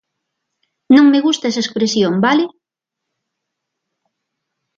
Non me gusta esa expresión, ¿vale?